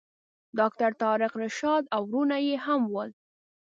ډاکټر طارق رشاد او وروڼه یې هم ول.